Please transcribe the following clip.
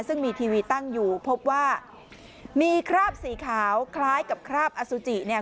ซึ่งมีทีวีตั้งอยู่พบว่ามีคราบสีขาวคล้ายกับคราบอสุจิเนี่ย